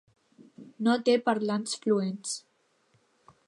No té parlants fluents.